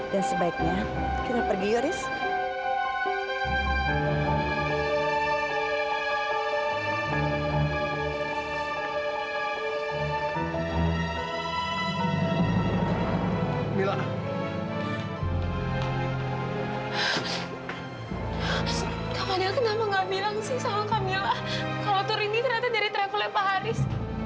dan sebaiknya kita pergi yoris